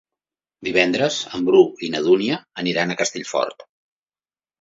Divendres en Bru i na Dúnia aniran a Castellfort.